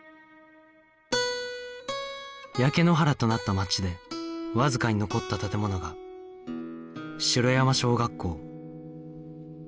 焼け野原となった街でわずかに残った建物が城山小学校